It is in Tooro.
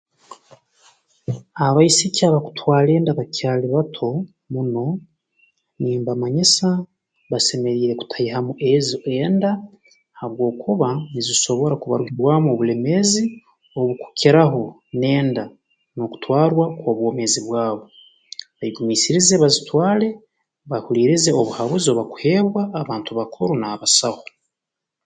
Abaisiki abakutwara enda bakyali bato muno nimbamanyisa basemeriire kutaihamu ezo enda habwokuba nzisobora kubarugiibwamu obulemeezi obu kukiraho n'enda n'okutwarwa kw'obwomeezi bwabo beegumiisirize bazitwale bahuliirize obuhabuzi obu bakuheebwa abantu bakuru n'abasaho